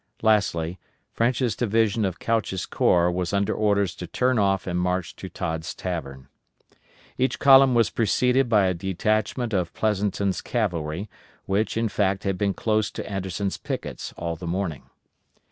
Lastly, French's division of Couch's corps was under orders to turn off and march to Todd's Tavern. Each column was preceded by a detachment of Pleasonton's cavalry, which, in fact, had been close to Anderson's pickets all the morning.